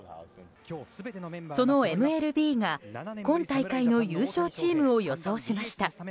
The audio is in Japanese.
そのＭＬＢが今大会の優勝チームを予想しました。